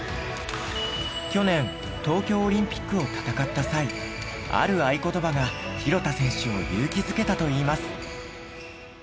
去年東京オリンピックを戦った際ある愛ことばが廣田選手を勇気づけたといいます。